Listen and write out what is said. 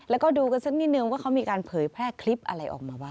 แล้วก็ดูกันสักนิดนึงว่าเขามีการเผยแพร่คลิปอะไรออกมาบ้าง